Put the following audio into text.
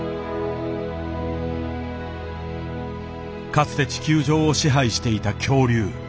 かつて地球上を支配していた恐竜。